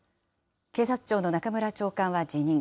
警察庁の中村長官は辞任。